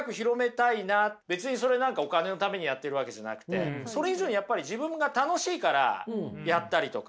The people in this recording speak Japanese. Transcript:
別にそれ何かお金のためにやっているわけじゃなくてそれ以上にやっぱり自分が楽しいからやったりとか。